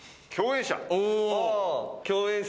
共演者。